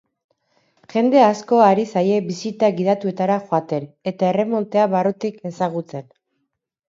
Jende asko ari zaie bisita gidatuetara joaten eta erremontea barrutik ezagutzen.